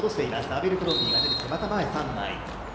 アベルクロンビーが出てきて、また前三枚。